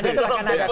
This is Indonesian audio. jadi terima kasih pak